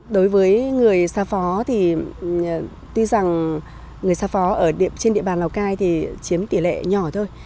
đối với người xa phó thì tuy rằng người xa phó ở trên địa bàn lào cai thì chiếm tỷ lệ nhỏ thôi